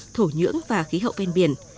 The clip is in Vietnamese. thổ nhưỡng và khí hậu ven biển